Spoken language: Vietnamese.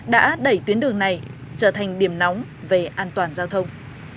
đã đẩy tuyến đường này trở thành điểm nóng về an toàn giao thông